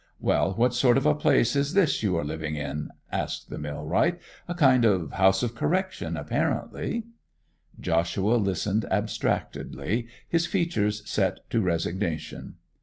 'Well, what sort of a place is this you are living in?' asked the millwright. 'A kind of house of correction, apparently?' Joshua listened abstractedly, his features set to resignation.